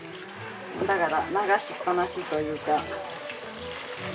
だから流しっぱなしというか。